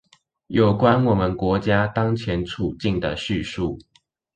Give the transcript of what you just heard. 有關我們國家當前處境的敘述